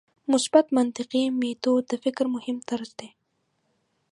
مثبت منطقي میتود د فکر مهم طرز دی.